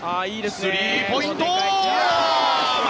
スリーポイント！